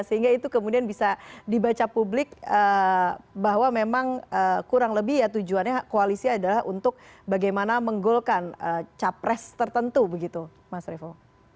sehingga itu kemudian bisa dibaca publik bahwa memang kurang lebih ya tujuannya koalisi adalah untuk bagaimana menggolkan capres tertentu begitu mas revo